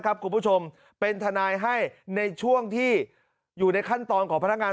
คุณผู้ชมเป็นทนายให้ในช่วงที่อยู่ในขั้นตอนของพนักงาน